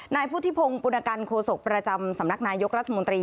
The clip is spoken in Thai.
นายพุทธิพงศ์ปุณกันโคศกประจำสำนักนายกรัฐมนตรี